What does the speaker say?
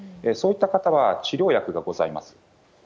そういった方は治療薬がございます。